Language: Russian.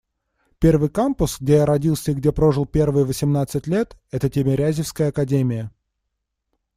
Первый кампус, где я родился и где прожил первые восемнадцать лет, — это Тимирязевская академия.